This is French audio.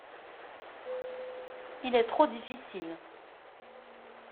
… il est trop difficile.